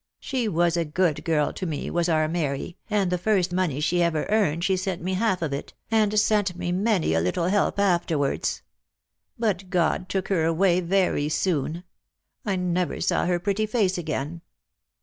She was a good girl to me, was our 210 Lost for Love. Mary, and the first money she ever earned she sent me half of it, and sent me many a little help afterwards. But God took her away very soon. I never saw her pretty face again.